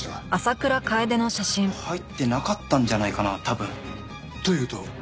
入ってなかったんじゃないかな多分。というと？